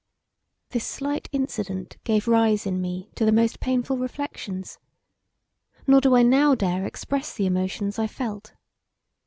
This slight incident gave rise in me to the most painful reflections; nor do I now dare express the emotions I felt.